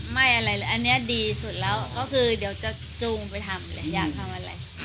ไม่อะไรเลยอันนี้ดีสุดแล้วก็คือเดี๋ยวจะจูงไปทำเลยอยากทำอะไร